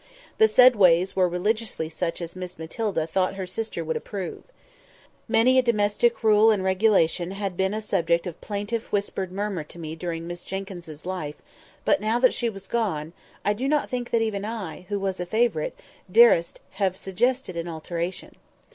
The said ways were religiously such as Miss Matilda thought her sister would approve. Many a domestic rule and regulation had been a subject of plaintive whispered murmur to me during Miss Jenkyns's life; but now that she was gone, I do not think that even I, who was a favourite, durst have suggested an alteration.